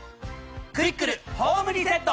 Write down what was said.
クイックルホームリセット！